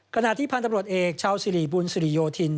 ขณะที่พันธุ์ตำรวจเอกชาวสิริบุญสิริโยธิน